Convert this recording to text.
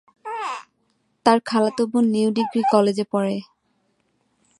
তার খালাতো বোন নিউ ডিগ্রি কলেজে পড়ে।